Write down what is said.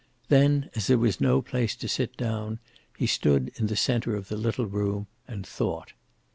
Then, as there was no place to sit down, he stood in the center of the little room and thought.